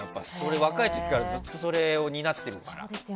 若い時からずっとそれを担ってるから。